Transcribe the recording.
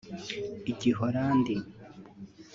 Igiholandi